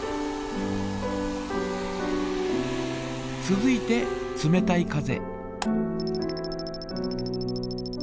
続いて冷たい風。